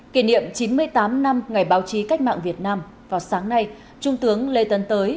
kỷ niệm chín mươi tám năm ngày báo chí cách mạng việt nam vào sáng nay trung tướng lê tấn tới